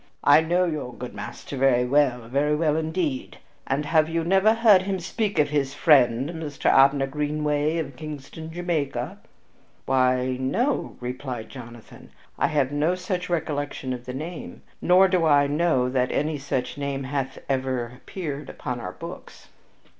I know your good master very well very well indeed. And have you never heard him speak of his friend Mr. Abner Greenway, of Kingston, Jamaica?" "Why, no," replied Jonathan, "I have no such recollection of the name nor do I know that any such name hath ever appeared upon our books."